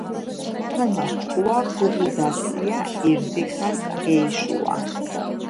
თომას ჭკუა ქუღუდასია ირდიხას გეიშუა